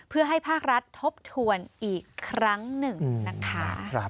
เพื่อให้ภาครัฐทบทวนอีกครั้งหนึ่งนะคะ